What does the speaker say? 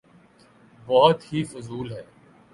بہت ہی فضول ہے۔